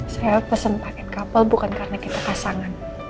saya pesen paket couple bukan karena kita pasangan